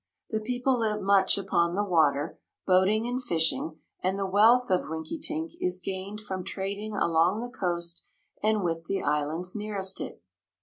The people live much upon the water, boating and fishing, and the wealth of Rinkitink is gained from trading along the coast and with the islands nearest it.